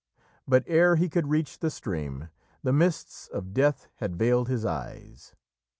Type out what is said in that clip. But ere he could reach the stream, the mists of death had veiled his eyes.